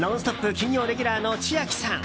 金曜レギュラーの千秋さん！